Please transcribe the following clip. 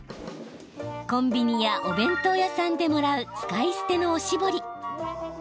コンビニやお弁当屋さんでもらう使い捨てのおしぼり。